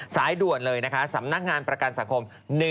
สายด่วนเลยสำนักงานประกันสังคม๑๕๐๖